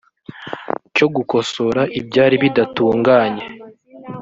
cyo gukosora ibyari bidatunganye